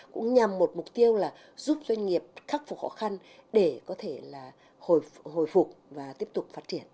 cũng nhằm một mục tiêu là giúp doanh nghiệp khắc phục khó khăn để có thể là hồi phục và tiếp tục phát triển